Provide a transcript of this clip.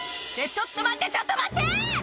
ちょっと待ってちょっと待って！」